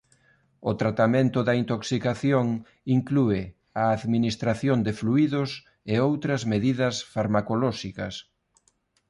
O tratamento da intoxicación inclúe a administración de fluídos e outras medidas farmacolóxicas.